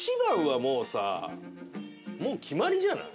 もう決まりじゃない？